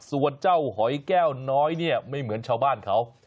ส่วนเจ้าหอยแก้วน้อยเนี่ยไม่เหมือนชาวบ้านเขา